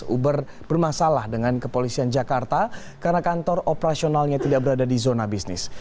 uber bermasalah dengan kepolisian jakarta karena kantor operasionalnya tidak berada di zona bisnis